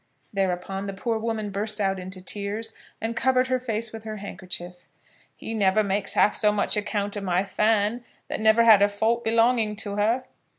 Thereupon the poor woman burst out into tears, and covered her face with her handkerchief. "He never makes half so much account of my Fan, that never had a fault belonging to her."